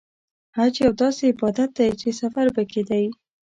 حج یو داسې عبادت دی چې سفر پکې دی.